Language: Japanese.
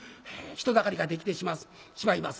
人だかりができてしまいます。